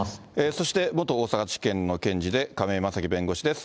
そして、元大阪地検の検事で亀井正貴弁護士です。